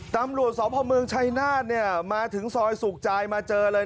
ตำรวจสพเมืองชัยนาธมาถึงซอยสุขใจมาเจอเลย